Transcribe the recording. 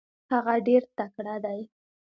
هغه ډېر تکړه دی.